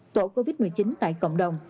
tổ covid một mươi chín tại cộng đồng